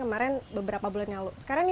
kemarin beberapa bulan lalu sekarang